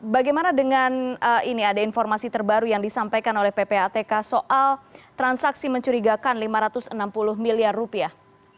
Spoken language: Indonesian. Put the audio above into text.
bagaimana dengan ini ada informasi terbaru yang disampaikan oleh ppatk soal transaksi mencurigakan lima ratus enam puluh miliar rupiah